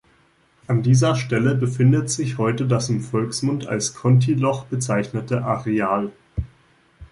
An dieser Stelle befindet sich heute das im Volksmund als „Conti-Loch“ bezeichnete Areal.